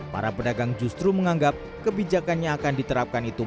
para pedagang justru menganggap kebijakannya akan diterapkan itu